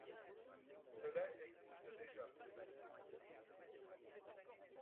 Cela existe déjà